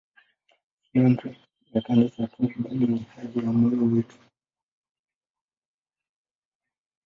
Si amri ya Kanisa tu, bali ni haja ya moyo wetu.